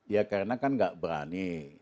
ya karena kan gak berani